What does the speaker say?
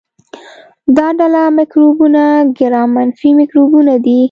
دا ډله مکروبونه ګرام منفي مکروبونه دي.